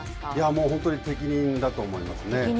もう本当に適任だと思いますね。